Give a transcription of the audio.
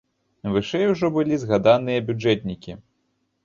Вышэй ужо былі згаданыя бюджэтнікі.